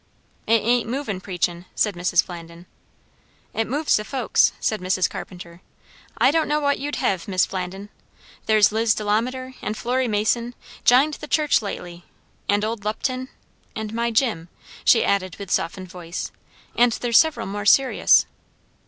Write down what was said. "It ain't movin' preachin'," said Mrs. Flandin. "It moves the folks," said Mrs. Carpenter. "I don't know what you'd hev', Mis' Flandin; there's Liz Delamater, and Florry Mason, jined the church lately; and old Lupton; and my Jim," she added with softened voice; "and there's several more serious."